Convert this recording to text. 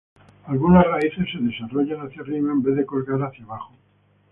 Algunas raíces se desarrollan hacia arriba en vez de colgar hacia abajo.